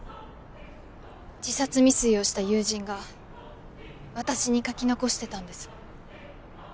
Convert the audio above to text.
自殺未遂をした友人が私に書き残してたんです